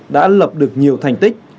đã lập được nhiều thành tích